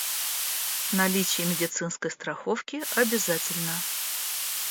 Наличие медицинской страховки обязательно.